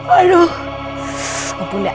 aduh gue pundak ah